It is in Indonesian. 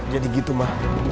jadi gitu ma